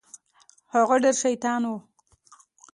هغه ډېر شيطان و.